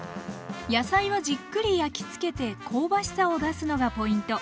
野菜はじっくり焼き付けて香ばしさを出すのがポイント。